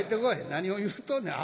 何を言うとんねん。